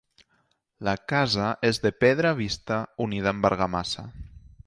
La casa és de pedra vista unida amb argamassa.